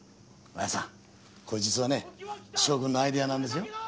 綾さんこれ実はね翔君のアイデアなんですよ。